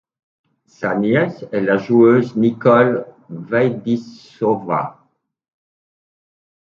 Sa nièce est la joueuse Nicole Vaidišová.